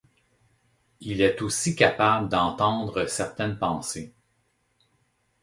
Il est aussi capable d'entendre certaines pensées.